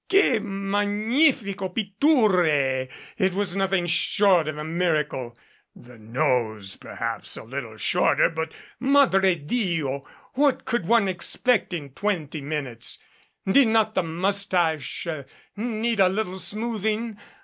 Che magnifico pitture! It was nothing short of a miracle ! The nose perhaps a little short but Madre Dio! what could one expect in twenty minutest Did not the mustache need a little smoothing?